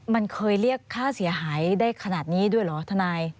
มันเคยเรียกค่าเสียหายได้ขนาดนี้ด้วยเหรอทนาย